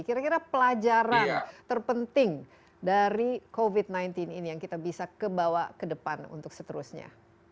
kira kira pelajaran terpenting dari covid sembilan belas ini yang kita bisa kebawa ke depan untuk seterusnya